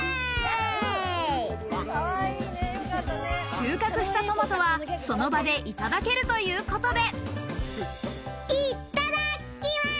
収穫したトマトは、その場でいただけるということで。